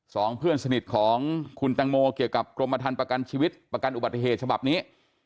สองเพื่อนสนิทของคุณตังโมเกี่ยวกับกรมฐานประกันชีวิตประกันอุบัติเหตุฉบับนี้